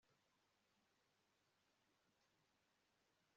papa rero yamusutseho amazi ashyushye